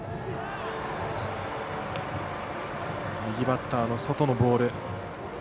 右バッターの外のボール。